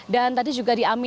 dan tadi juga diambil